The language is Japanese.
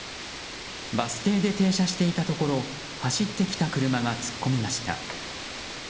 バス停で停車していたところ走ってきた車が突っ込みました。